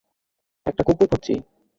একটা কুকুর খুঁজছি।